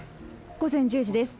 午前１０時です。